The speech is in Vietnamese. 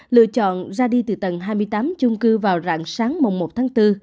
lựa chọn ra đi từ tầng hai mươi tám trung cư vào rạng sáng một một tháng bốn